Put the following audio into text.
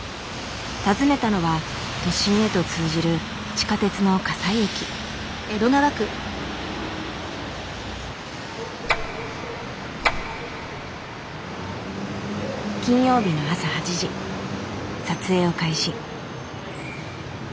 訪ねたのは都心へと通じる地下鉄の金曜日の朝８時撮影を開始。